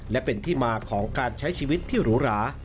และเป็นที่มาของการใช้ชีวิตที่หรูหรา